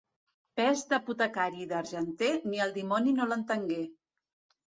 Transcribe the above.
Pes d'apotecari i d'argenter, ni el dimoni no l'entengué.